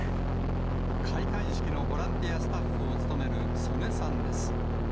開会式のボランティアスタッフを務める曽根さんです。